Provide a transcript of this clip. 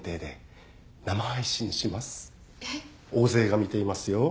大勢が見ていますよ。